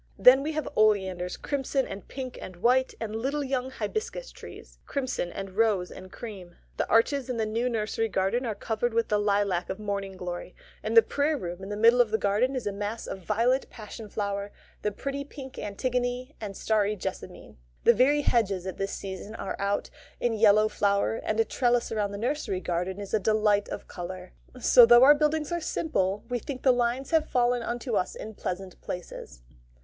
Then we have oleanders, crimson and pink and white, and little young hibiscus trees, crimson and rose and cream. The arches in the new nursery garden are covered with the lilac of morning glory; and the Prayer room in the middle of the garden is a mass of violet passion flower, the pretty pink antigone, and starry jessamine. The very hedges at this season are out in yellow flower, and a trellis round the nursery kitchen is a delight of colour; so though our buildings are simple, we think the lines have fallen unto us in pleasant places.